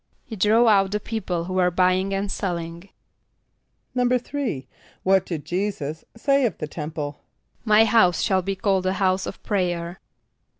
=He drove out the people who were buying and selling.= =3.= What did J[=e]´[s+]us say of the temple? ="My house shall be called a house of prayer."